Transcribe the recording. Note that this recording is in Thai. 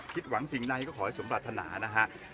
คิดหวังสิ่งใดก็ขอให้สมปรารถนานะครับ